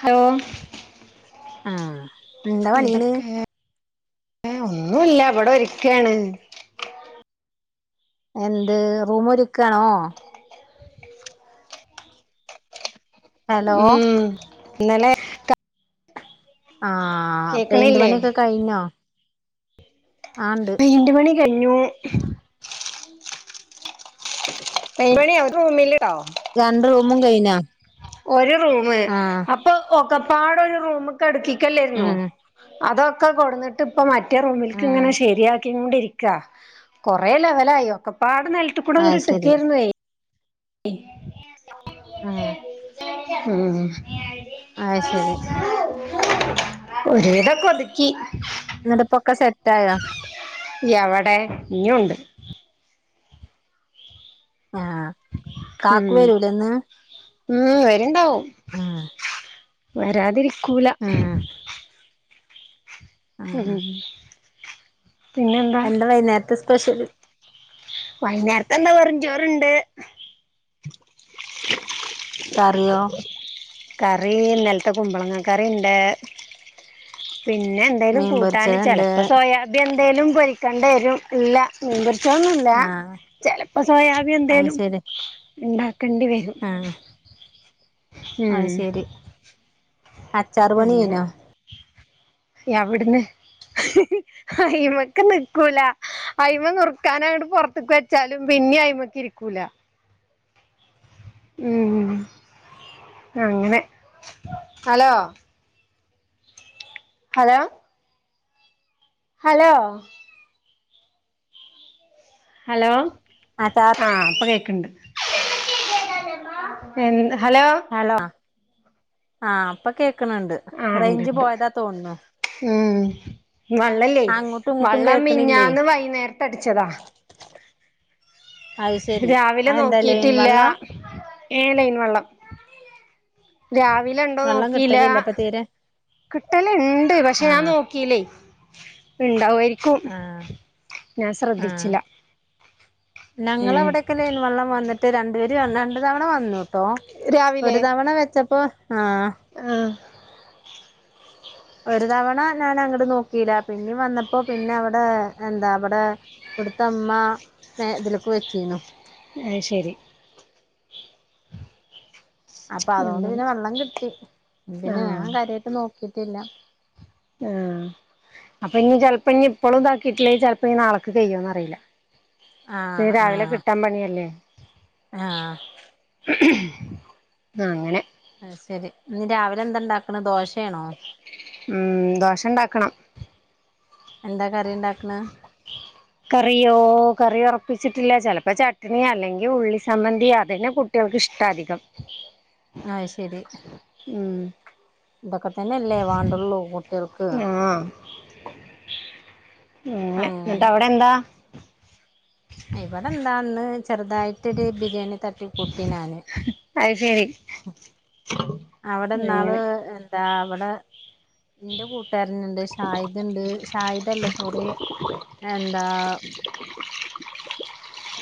Hello ആഹ് എന്താ പണീണ് എന്തൊക്കെ ഒന്നുല്ല ഇവടെ ഒര്ക്കാണ് എന്ത് റൂമ് ഒരുക്കാണോ ഹലോ ഉം ഇന്നലെ ആഹ് പെയിന്റ് കേക്കണില്ലേ പണിയൊക്കെ കഴിഞ്ഞോ ആഹ് ഇണ്ട് പെയിന്റ് പണി കഴിഞ്ഞു അ പെയിന്റ് പണി ഒര് റൂമില്ട്ടോ രണ്ട് റൂമും കഴിഞ്ഞാ ഒരു റൂമ് അ ഇപ്പൊ ഒക്കെപ്പാടെ ഒരു റൂമ്ക്കെ അട്ക്കിക്കല്ലേര്ന്നോ ഉം അതൊക്കെ കൊട്ന്നിട്ട്പ്പം മ മറ്റേ റൂമിൽക്ക് ഉം ഇങ്ങനെ ശരിയാക്കി കൊണ്ടിരിക്ക കൊറേ ലെവലായി ഒക്കെപ്പാട് നെൽ ത്ത് കൂടെ അത് ഇങ്ങട്ട് ശരി ഇട്ടക്കേര്ന്നേ ഉം ഉം അയ്ശരി ഒരുവിതൊക്കെ ഒതുക്കി ഇന്ന്ട്ട്പ്പൊക്കെ സെറ്റായോ എവടെ ഇഞ്ഞുണ്ട് ആഹ് ഉം കാക്കു വരൂലേ ഇന്ന് ഉം വര്ണ്ടാവും ആഹ് വരാതിരിക്കൂല ഉം ആഹ് ഉം പിന്നെന്താ എന്താ വൈന്നേരത്തെ സ്പെഷ്യല് വൈന്നേരത്തെന്താ വെറും ചോറുണ്ട് കറിയോ കറി ഇന്നലത്തെ കുമ്പളങ്ങ കറിണ്ട് പിന്നെ ന്തേലും മീൻ കൂട്ടാന് പൊരിച്ചത്ണ്ട് ചെലപ്പ സോയാബി എന്തേലും പൊരിക്കേണ്ടി വരും ഇല്ല മീൻപൊരിച്ചൊന്നുല്ല ആഹ് ചെലപ്പൊ സോയാബീ അത് എന്തേലും ഇണ്ടാക്കെണ്ടി വരും ആഹ് ഉം അയ്ശരി അച്ചാറ് പണി കഴിഞ്ഞോ എവ്ട്ന്ന് അയ്മക്ക് നിക്കൂല അയിമ നുറുക്കാനങ്ങട് പൊറത്ത്ക്ക് വെച്ചാലും പിന്നെ അയിമ്മക്ക് ഇരിക്കൂല ഉം അങ്ങനെ ഹലോ ഹലോ ഹലോ ഹലോ ആ താത് ആഹ് ഇപ്പ കേക്ക്ണ്ട് എന്ത ഹലോ ഹലോ ആഹ് പ്പ കേക്ക്ണ് ണ്ട്, ആഹ് ഇണ്ട് റൈഞ്ച് ഇണ്ട് പോയതാ തോ ഉം വള്ളല്ലേയ് അങ്ങോട്ടും ഇങ്ങോട്ടും വള്ളം കേൾക്കണില്ലേ മിഞ്ഞാന്ന് വൈന്നേരത്തടിച്ചതാ അത് ശെരി രാവിലെ അത് എന്താ ലൈൻ നോക്കിയിട്ടില്ല വെള്ളാ ഏഹ് ലൈൻ വള്ളം രാവിലെണ്ടോ വെള്ളം നോക്കില്ലാ കിട്ടലില്ല ഇപ്പൊ തീരെ കിട്ടലിണ്ട് പക്ഷെ ഞാൻ ആഹ് നോക്കീല്ലേയ് ഇണ്ടാവായിരി ക്കും. ആഹ് ഞാൻ ആഹ് ശ്രദ്ധിച്ചില ഉം ക്ക് ലൈൻ വെള്ളം വന്നിട്ട് രണ്ടുപേര് രണ്ടു തവണ വന്നുട്ടോ രാവിലെ ഒരു തവണ വെച്ചപ്പോ ആഹ് ആഹ് ഒരു തവണ ഞാനങ്ങട് നോക്കിയില്ല, പിന്നിം വന്നപ്പോ പിന്നെവിടെ എന്താ ബടെ വിട്ത്തമ്മ മേതില്ക്ക് വെച്ചീനു അയ്ശെരി അപ്പതോണ്ട് അങ്ങനെ പിന്നെ വെള്ളം കിട്ടി. പിന്നെ ആഹ് ഞാൻ കാര്യായിട്ട് നോക്കിട്ടില്ല ആഹ് അപ്പഞ്ഞി ചെൽപ്പഞ്ഞിപ്പളും താക്കിയിട്ടില്ലേ ചെൽപ്പഞ്ഞി നാളക്ക് പെയ്യോന്നറീല പിന്നെ ആഹ് രാവിലെ ആഹ് കിട്ടാൻ പണിയല്ലേ ആഹ് അങ്ങനെ അഹ് ശരി, ന്നി രാവിലെന്താണ്ടാക്ക്ണത് ദോശേണോ ഉം ദോശണ്ടാക്കണം എന്താ കറിയിണ്ടാക്ക്ണ് കറിയോ കറി ഒറപ്പിച്ചിട്ടില്ല, ചെലപ്പ ചട്ട്ണി അല്ലെങ്കി ഉള്ളി ചമ്മന്തി അതിന് കു ട്ട്യൾക്കിഷ്ട അധികം ആയ് ശരി ഉം തൊക്കെ തന്ന്യല്ലേ വാണ്ടൊള്ളൂ കുട്ട്യൾക്ക് ആഹ് ഉം അങ്ങനെ ന്നട്ടവിടെന്താ ഇവിടെന്താന്ന് ചെറുതായിട്ടൊരു ബിരിയാണി തട്ടി കൂട്ടി ഞാന് അയ് ശെരി അവടന്നാള് എന്താ വടെ ന്റെ കൂട്ടുകാരന്ണ്ട് ഷാഹിദ്ണ്ട് ഷാഹിദല്ല സോറി എന്താ..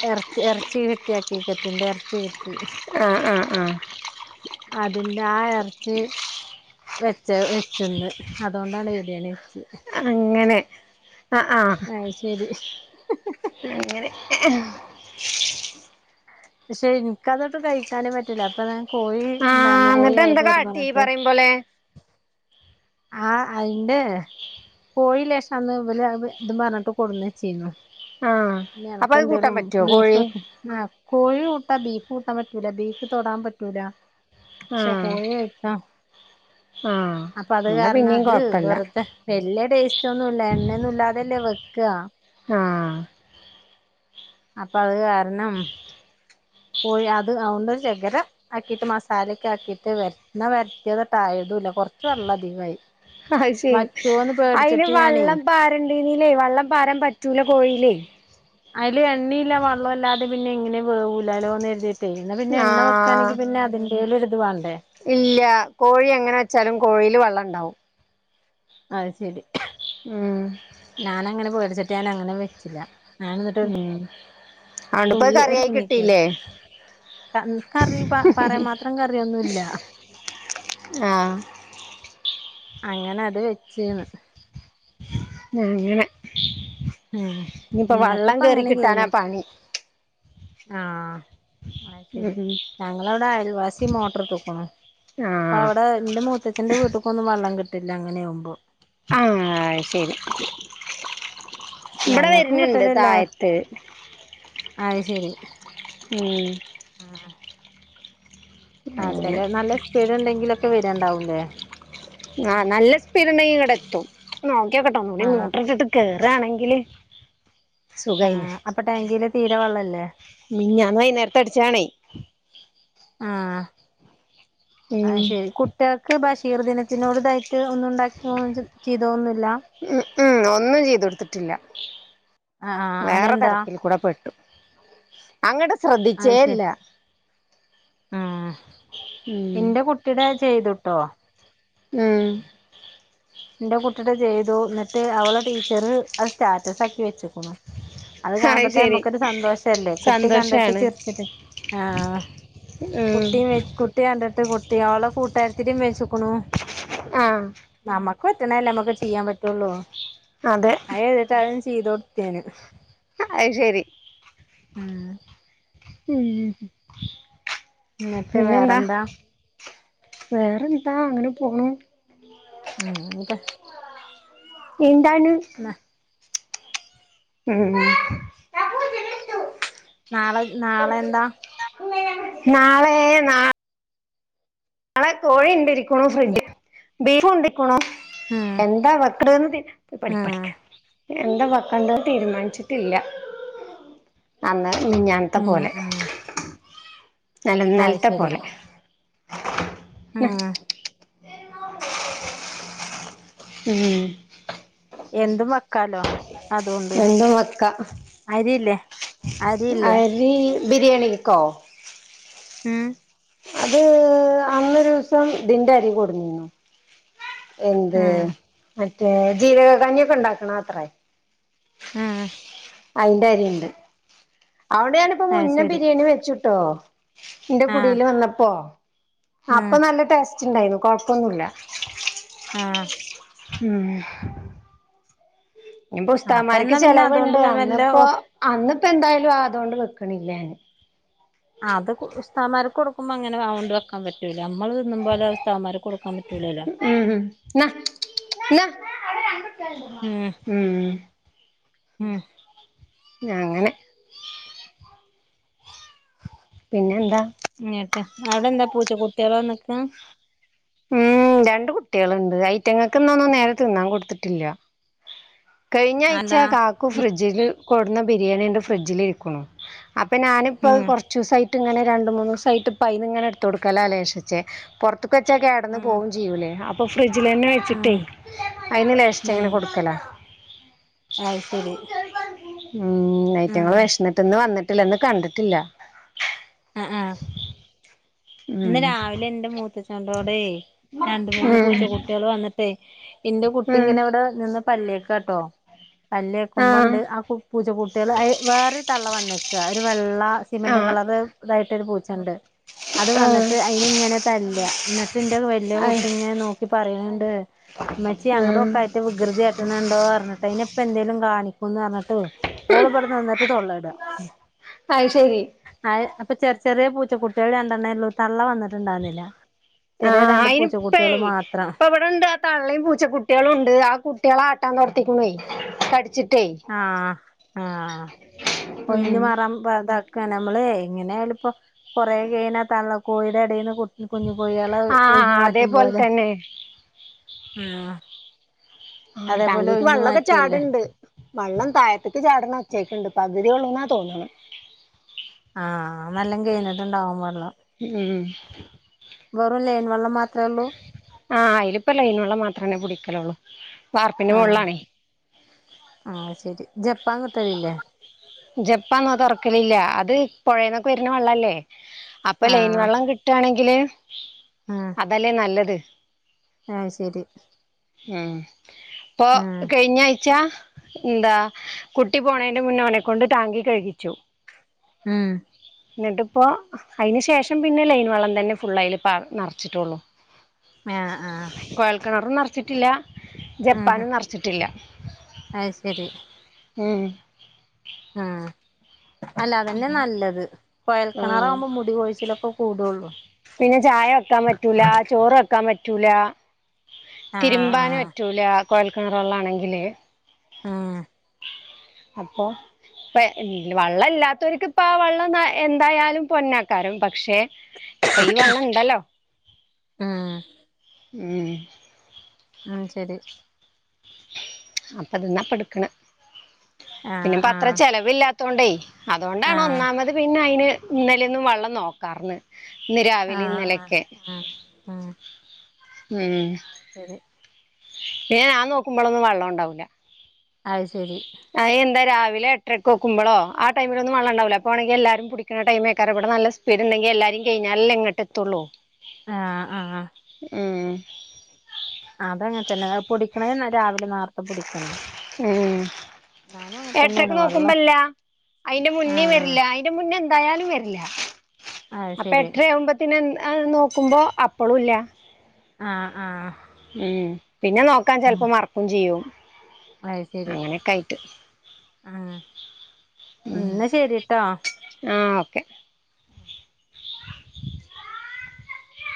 എർച് എർച്ചി കിട്ടി അകീക്കത്തിന്റെ എർച്ചി കിട്ടി. ആഹ് ആഹ് ആഹ് അതിന്റെ ആ എർച്ചി വെച്ച വെച്ച്ന്ന്, അതോണ്ടാണ് ബിരിയാണി വെച്ച്. അങ്ങനെ അ ആഹ്. അയ് ശെരി അങ്ങനെ. പക്ഷെ ഇൻക്കതൊട്ട് കഴിക്കാനും പറ്റൂല. അപ്പൊഞാൻ കോയിണ്ടാര്ന്നു കോഴി ആയപ്പേര്ന്നു അങ്ങട്ട് മ്പോലെ ആ അയിന്റെ കോയില്ലേഷം അന്ന് ഇവല് ഇതും പർഞ്ഞിട്ട് കൊട്ന്നെചീനു. ആഹ് ഇഞ്ഞി അപ്പൊ അനക് അത് കൂട്ടാൻ എന്തെലും പറ്റുവോ കോഴി ബീഫ് ആ കോയി കൂട്ടാ ബീഫ് കൂട്ടാ പറ്റൂല ബീഫ് തൊടാ പറ്റൂല പക്ഷേ ആഹ് കോയി കയ്ക്കാ ആഹ്. അപ്പത് എന്നാ കാരണം പിന്നേം അത് കൊഴപ്പല്ല വെറ്‌തെ വെല്ല്യ ടേസ്റ്റ് ഒന്നുംല്ല എണ്ണൊന്നും ഇല്ലാതല്ലേ വെക്കാ. ആഹ്. അപ്പൊ അഹ് കാരണം കോയി അത് ഉണ്ട് ഷെകലം ആക്കിട്ട് മസാലൊക്കെ ആക്കിട്ട് എണ്ണ വേര്ട്ട്യാതട്ട് ആയതുല്ല കൊറച്ച് വെള്ളം അധികായി. അഹ് ശെരി ഐന് ഞാനേ വെള്ളം പാര ഇതിലെ വള്ളം പാരാൻ പറ്റൂല കോയിലേ. അയില് എണ്ണയില്ല വെള്ളൂല്ലാതെ പിന്നെ എങ്ങനെ വേവൂലാ ലോന്ന് കര്തിട്ട് ഇന്ന് പിന്നെ എണ്ണ ആഹ് വെക്കാണെങ്കി പിന്നെ അതിന്റേലും ഒര്ത് വാണ്ടേ ഇല്ല കോഴി എങ്ങനെ വെച്ചാലും കോഴില് വെള്ളം ഇണ്ടാവും അഹ് ശെരി ഉം ഞാനങ്ങനെ പേട്ച്ചിട്ട് ഞാൻ അങ്ങനെ വെച്ചില്ല. ഞാൻ എന്നിട്ട് ഒരു ഉം. അതോണ്ടിപ്പ അത് തുള്ളി ഒരു കറിയായി കുഞ്ഞി കൈ കിട്ടീല്ലേ കറി പ പറയാ മാത്രം കറിന്നുംല്ല. ആഹ്. അങ്ങനെ അത് വെച്ച്ന്ന് അങ്ങനെ ഉം ഇനിപ്പോ വള്ളം ഇന്നത്തെപ്പ കേറി അങ്ങനെ കിട്ടാനാ കയ്ഞ്ഞു പണി. ആഹ് അഹ് ഉം ശരി ഉം ഞങ്ങളവടെ അയൽവാസി മോട്ടർട്ട്ക്ണു. അപ്പൊ ആഹ് അവടെ ന്റെ മൂത്തച്ഛന്റെ വീട്ട്ക്കൊന്നും വെള്ളം കിട്ടില്ല അങ്ങനാവുമ്പോ. ആഹ് ശെരി ഇവടെ ഞങ്ങൾക്കും വെര്ണ് ഉണ്ട് തായത്ത്. അഹ് ശരി. ഉം. ആഹ്. ആ അങ്ങനെ ചെലെന്ന് നല്ല സ്പീഡ് ണ്ടെങ്കിലെക്കെ വെരെ ണ്ടാവൂലെ ആ നല്ല സ്പീഡ്ണ്ടെങ്കി ഇങ്ങടെ എത്തും നോക്കിയ കേട്ടോന്നൂടി ആഹ് മോട്ട്റിട്ട്ട്ട് കേറാണെങ്കില് സുഖയിനു. ആഹ് അപ്പൊ ടാങ്കില് തീരെ വെള്ളല്ലേ മിനിഞ്ഞാന്ന് വൈന്നേര്ത്ത അടിച്ചാണേ. ആഹ് ഉം അഹ് ശെരി കു കുട്ട്യേൾക്ക് ബഷീർ ദിനത്തിനോട് ഇതായിട്ട് ഒന്നും ണ്ടാക്കിയന്നും ചെയ്തൊന്നുല്ല മ് ഉം ഒന്നും ചെയ്ത് തോട്ത്തിട്ടില്ല ആഹ് ആഹ് വേറെ അതെന്താ തെരക്കിൽ കൂടെ പെട്ടു. അങ്ങട്ട് അത് ശ്രദ്ധിച്ചേല്ല. ശരി ആഹ് ഉം ഇന്റെ കുട്ടീടെ ചെയ്തുട്ടോ. ഉം. ന്റെ കുട്ടീടെ ചെയ്തു ന്ന്ട്ട് അവളെ ടീച്ചറ് അഹ് സ്റ്റാറ്റസ് ആക്കി വെച്ച്ക്ക്ണു. അഹ് അത് കാണുമ്പത്തേ ശരി അമ്മക്കൊര് സന്തോഷല്ലേ കുട്ടി കണ്ടിട്ട് സന്തോഷാണ് ചിരിച്ചിട്ട് ആ ഉം.. കുട്ടി കണ്ടിട്ട് കുട്ടി ഓളെ കൂട്ടാരത്തിക്കും വെശക്കുണു ആഹ് നമ്മക്ക് പറ്റണല്ലേ നമ്മുക്ക് ചെയ്യാൻ പറ്റുള്ളൂ അതെ [unintelligible] അതും ചെയ്ത കൊടുത്തേന് അയ് ശെരി ഉം ഉം എന്നിട്ട് പിന്നെന്താ വേറെന്താ വേറെന്താ അങ്ങനെ പോണു ആഹ് എന്താ എന്താണ് ഉം നാളെ നാളെ എന്താ നാളെ നാ നാളെ കോഴിണ്ട് ഇരിക്കുണൂ ഫ്രിഡ്ജിൽ ബീഫുണ്ടിക്കുണൂ ഉം എന്താ വെക്കണേന്ന് തിര് ഉം എന്താ വെക്കണ്ടേന്ന് തീര്മാനിച്ചിട്ടില്ല അന്ന് മഞ്ഞാന്നത്തെ ഉം പോലെ ഉം അല്ല അത് ഇന്നലത്തെ ശരി പോലെ ഉം ഉം എന്തും വെക്കാലോ അതൊണ്ട് എന്തും വെക്കാം അരില്ലേ അരില്ലേ ബിരിയെണിക്കോ ഉം അത് അന്നൊരു ദിവസം ഇദിന്റരി കൊട്ന്നീനു എന്ത് ഉം മറ്റേ ജീരക കഞ്ഞിയൊക്കെ ഇണ്ടാക്ക്ണാ അത്രേ ഉം അയിന്റെ അരിണ്ട് അഹോണ്ട് ഞാൻ ഇപ്പൊ അത് മുന്നെ ശരി ബിരിയാണി വെച്ചൂട്ടോ ഇന്റെ ആഹ് കുടീല് വന്നപ്പോ ഉം അപ്പൊ നല്ല ടേസ്റ്റ് ണ്ടായ്നു കൊഴ്‌പ്പൊന്നുല്ല ആഹ് ഉം ഇനിപ്പൊ അപ്പൊ ഉസ്താമാര്ക്ക് എന്നാ പിന്നെ അതുകൊണ്ട് ചെലവ്ണ്ട് വല്ല അന്ന്പ്പോ അന്ന്പ്പ എന്തായാലും ആഹ് അതോണ്ട് വെക്ക്ണില്ലഞാന് അത് കു ഉസ്താമാര്ക്ക് കൊടുക്കുമ്പോ എങ്ങനെ അഹോണ്ട് വെക്കാൻ പറ്റൂല നമ്മള് തിന്നും പോലെ ഉസ്താദ്മാര്ക്ക് കൊട്ക്കാൻ പറ്റൂലല്ലോ ഉം ഉം ഉം ആഹ് അങ്ങനെ പിന്നെന്താ എന്നിട്ട് അവിടെ എന്താ പൂച്ച കുട്ട്യാള് വന്നെക്കാ ഉം രണ്ട് കുട്ട്യാള്ണ്ട് ഐറ്റങ്ങൾക്ക്ന്നൊന്നും നേരെ തിന്നാൻ കൊട്ത്തിട്ടില്ല കഴിഞ്ഞ ആഴ്ച അതാ കാക്കു ഫ്രിഡ്ജില് കൊട്ന്ന ബിരിയാണിണ്ട് ഫ്രിഡ്ജിലിരിക്കുണു അപ്പൊ ഞാനിപ്പൊ അഹ് ഉം കൊറ്ച്ചുസായിട്ട് ഇങ്ങെനെ രണ്ടു മൂന്നൂസായിട്ട് ഇപ്പ അയിനിങ്ങനെ ഇട്ത്തൊട്ക്കല്ലാ ലേസീച്ചെ പോർത്ത്ക്ക് വെച്ചാ ക്കെടന്ന് ഉം പോവും ചെയ്യൂലെ അപ്പോ ഫ്രിഡ്ജിലന്നെ ഉം വെച്ചിട്ടേയ് അയ്ന് ലേശീശങ്ങനെ കൊട്ക്കലാ അയ്‌സെരി ഉം ഐറ്റങ്ങള് വേശ്ന്നിട്ട് ഇന്ന് വന്നിട്ടില്ല ഇന്ന് കണ്ടിട്ടില്ല ആഹ് ആഹ് ഉം ഇന്ന് രാവിലെ ഇന്റെ മൂത്തച്ചന്റോടെയ് രണ്ടു മൂന്ന് ഉം പൂച്ച കുട്ട്യാൾ വന്നിട്ടേയ് ഇന്റെ കുട്ടി ഉം ഇങ്ങനെ വ്ടെ നിന്ന് പല്ലേക്കാട്ടോ പല്ലെക്കുമ്പണ്ട് ആഹ് പൂ പൂച്ച കുട്ട്യാൾ വേറൊരു തള്ള വന്നക്ക ഒരു വെള്ള സ് സിമന്റും ആഹ് കളറ് തായിട്ടൊരു പൂച്ചണ്ട് അത് ആഹ് വന്നിട്ട് അയിനെ ഇങ്ങനെ തല്ല്ക എന്നിട്ട് എന്റെ വല്യ ആഹ് കുട്ടി നോക്കി പറയണിണ്ട്- ഇമ്മച്ചി അങ്ങട്ട് ആഹ് നോക്ക് അയിന്റ വികൃതി കാട്ട്ണ കണ്ടോ പറഞ്ഞിട്ട് അയ്നെ ഇപ്പ എന്തേലും കാണിക്കുംന്ന് പറഞ്ഞിട്ട്- ഓള് ഇവിടുന്ന് വന്നിട്ട് തൊള്ളയിടുക അയ് ശരി അത് അപ്പം ചെർ ചെറിയ പൂച്ച കുട്ടികള് ള് രണ്ടെണ്ണേ ഒള്ളു തള്ള വന്നിട്ടുണ്ടാവുന്നില്ല ചെറിയ രണ്ട് പൂച്ചക്കുട്ടികള് മാത്രാ ഇവിടെ ഒണ്ട് ആ തള്ളേം പൂച്ച കുട്ടി കളും ഉണ്ട് ആ കുട്ടികളെ ആട്ടാൻ നടത്തിക്കുണുവേ കടിച്ചിട്ട് ആഹാ ആഹാ ഒയിഞ്ഞ് ഉം മാറാൻ പറ ക്കാ നമ്മള് എങ്ങനെ ആയാലും ഇപ്പം കൊറെ കയ്ഞ്ഞാ തള്ള കോഴിടെ എടെന്ന് കു- കുഞ്ഞു കോഴികളെ ആഹ് ഒഴിഞ്ഞ് അതേപോലെ മാറ്റുമ്പോലെ തന്നെ ഉം ടാങ്കിക്ക് വളെളാക്കെ ചാട്ണ്ട് വള്ളം തായ്ത്ത്ക്ക് ചാട്ണ ഒച്ചകേക്കണ്ട് പകുതി ഒള്ളൂന്നാ തോന്ന്ണ ആഹ് നല്ലൊം കയ്ഞ്ഞിട്ടുണ്ടാവും വള്ളം ഉം വെറും ലൈൻ വള്ളം മാത്രേ ഉള്ളൂ ആഹഹ് അയിലിപ്പം ലൈൻ വള്ളം മാത്രേ കുടിക്കലൊള്ളൂ വാർപ്പിന്റെ മോളിലാണേ ആയ് ശരി ജപ്പാൻ കിട്ടലില്ലേ ജപ്പാൻ ഞങ്ങൾ തൊറക്കലില്ല അത് പുഴേന്നൊക്കെ വര്ണ വെള്ളല്ലേ അപ്പം ലൈൻ ആഹ് വെള്ളം കിട്ടാണെങ്കില് ആഹ് അതല്ലേ നല്ലത് ആയ് ശരി ഉം ഇപ്പൊ ആഹ് കയ്ഞ്ഞ ആഴ്ച- എന്താ കുട്ടി പോണേന്റെ മുന്നേ ഒനെക്കൊണ്ട് ടാങ്കി കഴുകിച്ചു ഉം ഇന്നിട്ട് ഇപ്പം അയിന് ശേഷം പിന്നെ ലൈൻ വള്ളം തന്നെ ഫുള്ള് അയില് പാർ നറച്ചിട്ടുള്ളൂ ആഹ് ആഹ് കൊഴൽക്കെണറും നറച്ചിട്ടില്ല ഉം ജപ്പാനും നറച്ചിട്ടില്ല അത് ശരി ഉം ആഹ് അല്ല അത് തന്നെ നല്ലത് കൊയൽ ആഹ് ക്കെണറാവുമ്പം മുടി കൊഴിച്ചിലൊക്കെ കൂടൊള്ളൂ പിന്നെ ചായ വെക്കാൻ പറ്റൂല ചോറ് വെക്കാൻ പറ്റൂല ആഹ് തിരുമ്പാന് ആഹ് പ- ആഹ് പറ്റൂല കൊയൽക്കെണറ് വെള്ളാണെങ്കില് ഉം അപ്പൊ ഇപ്പ വള്ളം ഇല്ലാത്തോൽക്ക് ഇപ്പാ വള്ളം എന്തായാലും പൊന്നാക്കാരും പക്ഷെ- ഇപ്പ ഈ വള്ളം ഇണ്ടല്ലോ ഉം ഉം ഉം ശരി അപ്പം ഇതിന്നാ ഇപ്പൊ എടക്ക്ണെ പിന്നെ ആഹ് അത്ര ആഹ് ചെലവില്ലാത്തോണ്ടേ അതോണ്ടാണ് ആഹ് ഒന്നാമത്- പിന്നെ അയിന് ഇന്നലൊന്നും വെള്ളം നോക്കാർന്ന് ഇന്ന് രാവിലെ ആഹ് ആഹ് ഇന്നലെയൊക്കെ ഉം ഉം ഉം ശരി പിന്നെ ഞാൻ നോക്കുമ്പളൊന്നും വെള്ളം ഉണ്ടാവൂല അയ് ശരി അത് എന്താ രാവിലെ എട്ടരക്ക് നോക്കുമ്പളൊ ആ ടൈമിലൊന്നും വെള്ളം ഉണ്ടാവൂല അപ്പം ആണെങ്കി എല്ലാരും പുടിക്ക്ണ ടൈമേക്കാരം ഇവടെ നല്ല സ്- സ്പീഡ് ഇണ്ടെങ്കി എല്ലാരിം കയ്ഞ്ഞാലല്ലെ ഇങ്ങട്ട് എത്തൊള്ളൂ ആഹ് ആഹ് ഉം അതങ്ങൻതന്നെ പൊടിക്ക്ണെ രാവിലെ നാർത്തെ പെടിക്കണേ ഏട്ടരക്ക് നോക്കുമ്പല്ല അയ്ന്റെ മുന്നിം ആഹ് വര്ല്ല അയ്ന്റെ മുന്നേ എന്തായാലും വര്ല്ല അത് അപ്പൊ ശരി എട്ടരയാവുമ്പോത്തിനെ നോക്കുമ്പോ അപ്പളും ഇല്ല ആഹ് ആഹ് ഉം പിന്നെ നോക്കാൻ ചെല്പ്പം മറക്കും ചെയ്യും അയ് ശരി അങ്ങനെയൊക്കെ ആയിട്ട് ആഹ് എന്നാ ശരി ട്ടോ ആഹ് ഓക്കെ [unintelligible]